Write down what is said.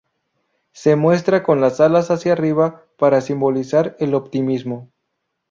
Se muestra con las alas hacia arriba para simbolizar el optimismo.